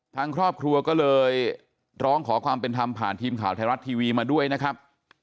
ทางครอบครัวก็เลยร้องขอความเป็นธรรมผ่านทีมข่าวไทยรัฐทีวีมาด้วยนะครับ